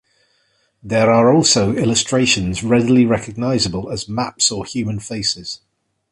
There are also illustrations readily recognizable as maps or human faces.